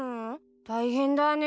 大変だね。